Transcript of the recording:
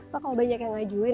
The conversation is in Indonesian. pak kalau banyak yang ngajuin